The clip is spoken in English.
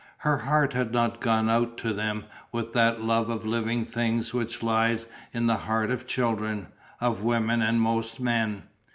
Her heart had not gone out to them with that love of living things which lies in the heart of children, of women and most men.